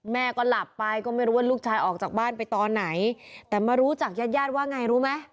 แม่ก็หลับไปก็ไม่รู้ว่าลูกชายออกจากบ้านไปตอนไหนแต่มารู้จากญาติญาติว่าไงรู้ไหม